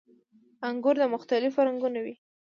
• انګور د مختلفو رنګونو وي.